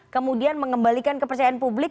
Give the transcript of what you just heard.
kemudian mengembalikan kepercayaan publik